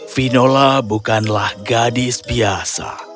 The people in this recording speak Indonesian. vinola bukanlah gadis biasa